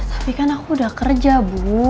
tapi kan aku udah kerja bu